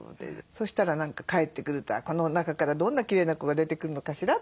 そしたら何かかえってくるとこの中からどんなきれいな子が出てくるのかしら？と思って。